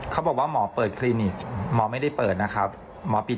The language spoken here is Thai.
เขาบอกว่าหมอเปิดคลินิกหมอไม่ได้เปิดนะครับหมอปิด